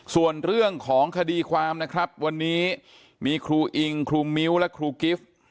ส่วนเรื่องของคดีความนะครับวันนี้มีครูอิงครูมิ้วและครูกิฟต์